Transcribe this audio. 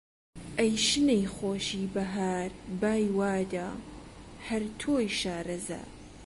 ئەی شنەی خۆشی بەهار، بای وادە! هەر تۆی شارەزا